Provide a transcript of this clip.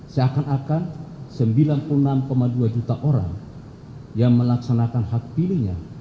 seakan akan sembilan puluh enam dua juta orang yang melaksanakan hak pilihnya